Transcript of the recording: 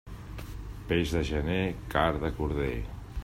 Peix de gener, carn de corder.